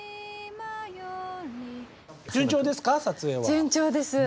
順調です。